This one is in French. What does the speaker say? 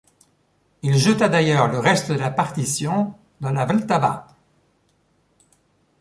Il jeta d'ailleurs le reste de la partition dans la Vltava.